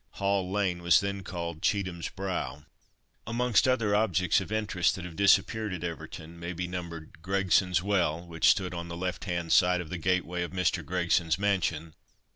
Hall lane was then called Cheetham's brow. Amongst other objects of interest that have disappeared at Everton, may be numbered "Gregson's Well," which stood on the left hand side of the gateway of Mr. Gregson's mansion.